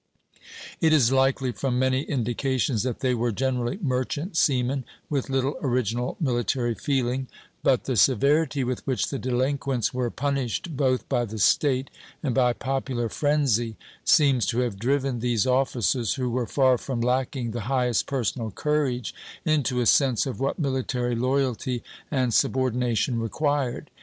It is likely, from many indications, that they were generally merchant seamen, with little original military feeling; but the severity with which the delinquents were punished both by the State and by popular frenzy, seems to have driven these officers, who were far from lacking the highest personal courage, into a sense of what military loyalty and subordination required.